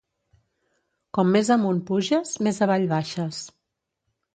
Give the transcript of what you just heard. Com més amunt puges, més avall baixes.